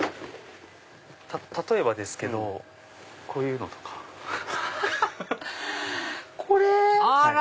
例えばですけどこういうのとか。ハハハ！